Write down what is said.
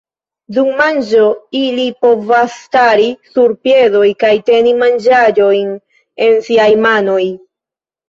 Dum manĝo ili povas stari sur piedoj kaj teni manĝaĵojn en siaj manoj.